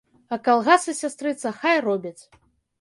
А калгасы, сястрыца, хай робяць.